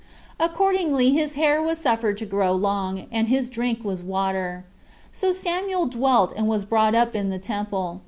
Accordingly his hair was suffered to grow long, and his drink was water. So Samuel dwelt and was brought up in the temple.